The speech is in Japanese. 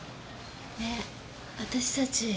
ねえ私たち